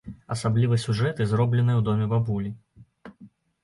Асабліва сюжэты, зробленыя ў доме бабулі.